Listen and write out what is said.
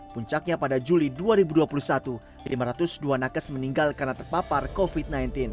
puncaknya pada juli dua ribu dua puluh satu lima ratus dua nakes meninggal karena terpapar covid sembilan belas